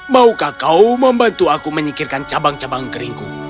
maukah kau membantu aku menyikirkan cabang cabang keringku